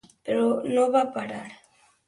Però no va parar.